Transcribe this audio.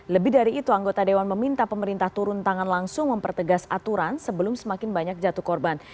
lebih dari itu anggota dewan meminta pemerintah turun tangan langsung mempertegas aturan sebelum semakin banyak jatuh korban